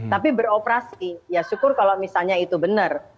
tapi beroperasi ya syukur kalau misalnya itu benar